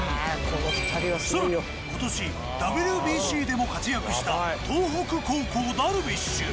さらに今年ＷＢＣでも活躍した東北高校ダルビッシュ。